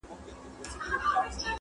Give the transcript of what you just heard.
"د مثقال د ښو جزا ورکول کېږي،